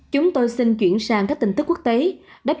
chúng tôi xin chuyển sang các tin tức quốc tế